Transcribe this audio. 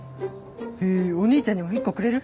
へぇお兄ちゃんにも１個くれる？